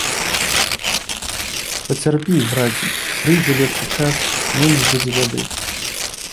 Пацярпі, браце, прыйдзе лепшы час, менш будзе бяды.